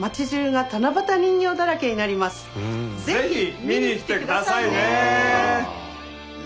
是非見に来て下さいね！